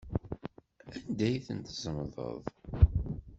Anda i ten-tzemḍeḍ?